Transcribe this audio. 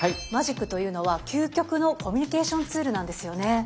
マジックというのは究極のコミュニケーションツールなんですよね？